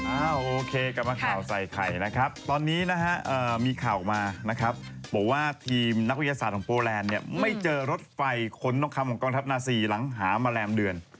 โอเคกลับมาข่าวใส่ไข่นะครับตอนนี้นะฮะมีข่าวออกมานะครับบอกว่าทีมนักวิทยาศาสตร์ของโปรแลนด์เนี่ยไม่เจอรถไฟขนทองคำของกองทัพนาซีหลังหามาแรมเดือน